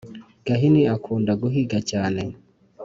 gahini akunda guhiga cyane